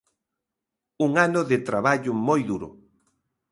Un ano de traballo moi duro.